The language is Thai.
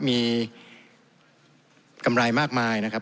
มีกำไรมากมายนะครับ